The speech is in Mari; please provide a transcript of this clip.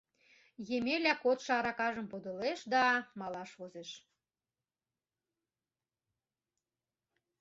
— Емеля кодшо аракажым подылеш да малаш возеш...